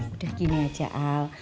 udah gini aja al